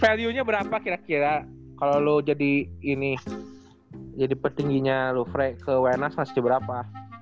value nya berapa kira kira kalo lu jadi ini jadi petingginya lofre ke wainas masih berapa